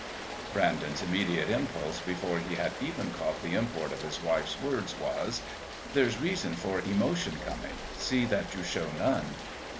Brandon's immediate impulse, before he had even caught the import of his wife's words, was: "There's reason for emotion coming; see that you show none."